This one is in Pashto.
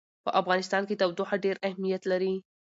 په افغانستان کې تودوخه ډېر اهمیت لري.